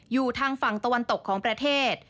อยู่ทางฝั่งตะวันตกของประเทศ